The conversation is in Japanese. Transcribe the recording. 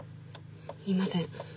いません。